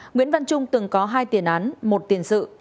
nguyễn văn trung từng có hai tiền án một tiền sự